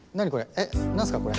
えっ何すかこれ。